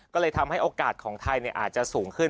ก็เลยทำให้โอกาสของไทยอาจจะสูงขึ้น